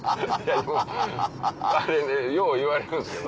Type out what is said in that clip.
あれねよう言われるんですけど。